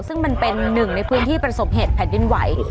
ซึ่งมันเป็นหนึ่งในพื้นที่ประสบเหตุแผ่นดินไหว